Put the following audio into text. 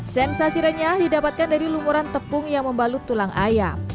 sensasi renyah didapatkan dari lumuran tepung yang membalut tulang ayam